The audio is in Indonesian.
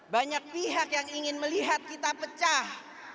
banyak pihak yang ingin melihat kita pecah